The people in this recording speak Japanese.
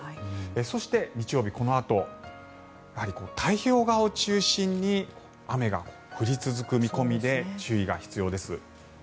そして、日曜日このあと太平洋側を中心に雨が降り続く見込みで注意が必要です。